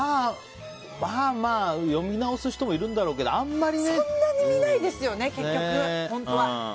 まあ、まあ、読み直す人もいるんだろうけどそんなに見ないですよね、結局。